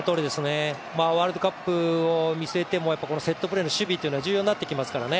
ワールドカップを見据えてセットプレーの守備というのは重要になってきますからね。